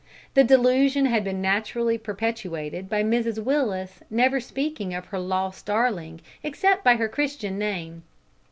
The delusion had been naturally perpetuated by Mrs Willis never speaking of her lost darling except by her Christian name.